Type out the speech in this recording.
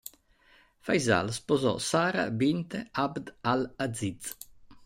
Faysal sposò Sara bint Abd al-Aziz.